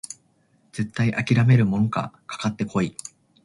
絶対あきらめるもんかかかってこい！